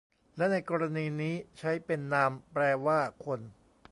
และในกรณีนี้ใช้เป็นนามแปลว่าคน